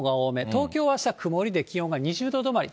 東京はあしたは曇りで気温が２０度止まり。